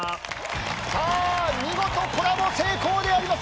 さあ見事コラボ成功であります